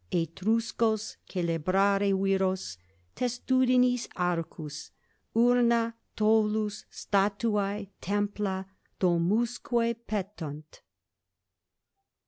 Etruscos celebrare viros, testudinis arcus, Urna, tholus, statuæ, templa, domusque petunt.